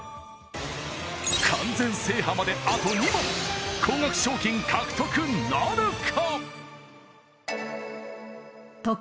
完全制覇まであと２問高額賞金獲得なるか？